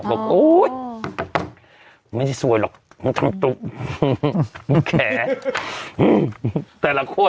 บอกโอ้ยไม่ได้ซวยหรอกมึงทำตุ๊กมึงแขกแต่ละคนอ้าว